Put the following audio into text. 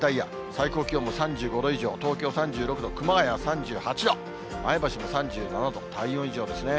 最高気温も３５度以上、東京３６度、熊谷３８度、前橋も３７度、体温以上ですね。